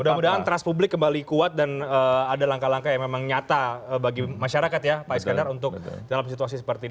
mudah mudahan trust publik kembali kuat dan ada langkah langkah yang memang nyata bagi masyarakat ya pak iskandar untuk dalam situasi seperti ini